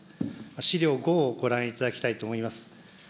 資料５をご覧いただきたいと思います。